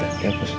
ya udah dihapus